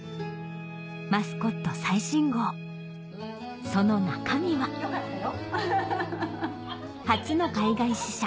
『マスコット』最新号その中身は初の海外支社